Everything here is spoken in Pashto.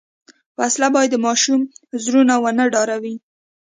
وسله باید د ماشوم زړونه ونه ډاروي